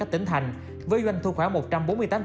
các tỉnh thành với doanh thu khoảng